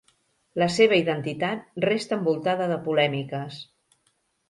La seva identitat resta envoltada de polèmiques.